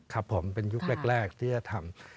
ครับผมเป็นยุคแรกที่จะทำ